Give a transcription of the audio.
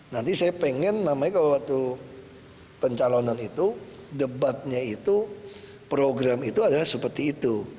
nanti saya pengen namanya kalau waktu pencalonan itu debatnya itu program itu adalah seperti itu